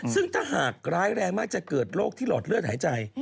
ซึ่งถ้าหากร้ายแรงมากจะเกิดโรคที่หลอดเลือดหายใจ